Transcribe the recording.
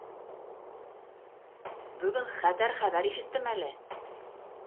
— Бөгөн хәтәр хәбәр ишеттем әле.